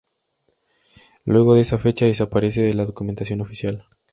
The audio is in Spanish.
Luego de esa fecha, desaparece de la documentación oficial.